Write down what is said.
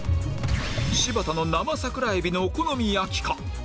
柴田の生桜えびのお好み焼きか？